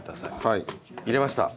はい入れました。